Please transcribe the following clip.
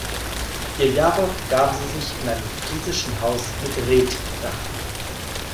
Ihr Jawort gaben sie sich in einem friesischen Haus mit Reetdach.